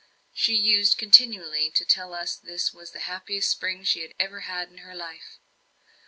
She used continually to tell us this was the happiest spring she had ever had in her life.